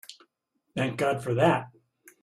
Thank God for that!